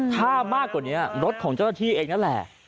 ถ้ามากกว่านี้รถของเจ้าหน้าที่เองนั่นแหละ